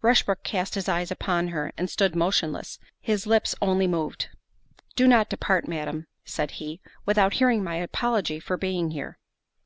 Rushbrook cast his eyes upon her, and stood motionless—his lips only moved. "Do not depart, Madam," said he, "without hearing my apology for being here."